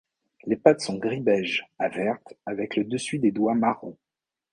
Les pattes sont gris beige à vertes avec le dessus des doigts marron.